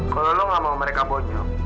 kalau lu gak mau mereka bonyok